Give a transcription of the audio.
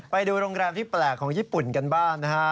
ไปดูโรงแรมที่แปลกของญี่ปุ่นกันบ้างนะฮะ